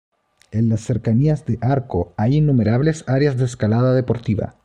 En las cercanías de Arco hay innumerables áreas de escalada deportiva.